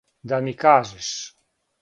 Да ми кажеш?